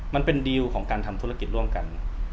มันเป็นดีลของการทำธุรกิจร่วมกัน